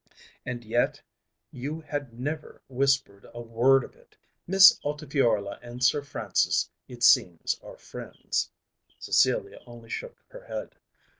"And yet you had never whispered a word of it. Miss Altifiorla and Sir Francis it seems are friends." Cecilia only shook her head.